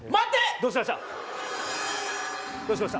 どうしました！？